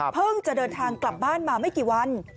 จะเดินทางกลับบ้านมาไม่กี่วัน